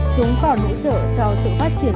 chúng còn hỗ trợ cho sự phát triển